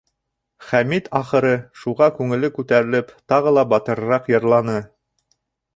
Хәмит, ахыры, шуға күңеле күтәрелеп, тағы ла батырыраҡ йырланы.